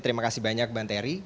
terima kasih banyak bang terry